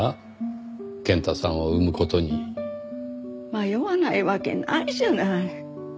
迷わないわけないじゃない。